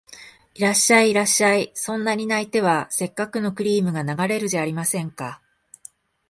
いらっしゃい、いらっしゃい、そんなに泣いては折角のクリームが流れるじゃありませんか